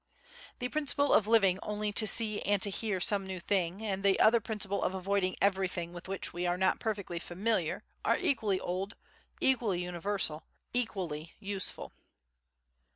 The principle of living only to see and to hear some new thing, and the other principle of avoiding everything with which we are not perfectly familiar are equally old, equally universal, equally useful.